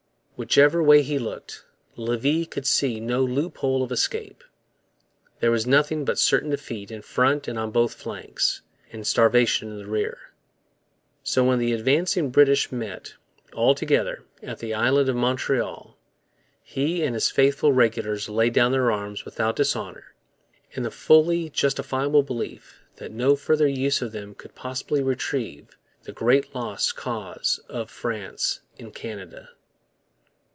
Whichever way he looked, Levis could see no loophole of escape. There was nothing but certain defeat in front and on both flanks, and starvation in the rear. So when the advancing British met, all together, at the island of Montreal, he and his faithful regulars laid down their arms without dishonour, in the fully justifiable belief that no further use of them could possibly retrieve the great lost cause of France in Canada.